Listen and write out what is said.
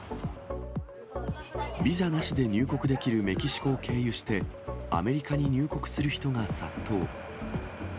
ビザなしで入国できるメキシコを経由して、アメリカに入国する人が殺到。